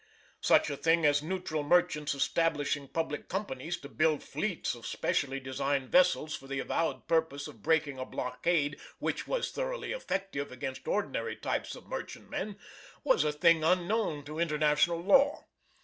Such a thing as neutral merchants establishing public companies to build fleets of specially designed vessels for the avowed purpose of breaking a blockade which was thoroughly effective against ordinary types of merchantmen, was a thing unknown to International Law.